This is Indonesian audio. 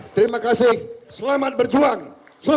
karena kita berada di jalan yang benar